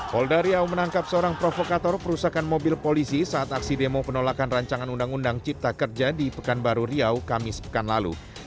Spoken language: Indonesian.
polda riau menangkap seorang provokator perusakan mobil polisi saat aksi demo penolakan rancangan undang undang cipta kerja di pekanbaru riau kamis pekan lalu